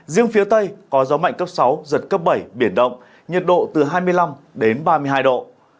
riêng phía tây có gió mạnh cấp sáu giật cấp bảy biển động nhiệt độ từ hai mươi năm đến ba mươi hai độ